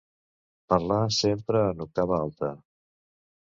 Parlar sempre en octava alta.